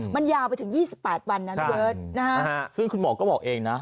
มันยาวไปถึง๒๘วันนะพี่เบิร์ตนะฮะซึ่งคุณหมอก็บอกเองนะ